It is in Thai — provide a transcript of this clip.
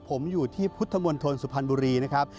ผมอยู่ที่พุทธมนตรสุพรรณบุรีนะครับ